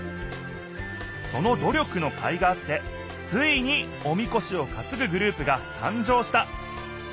そのど力のかいがあってついにおみこしをかつぐグループがたん生した。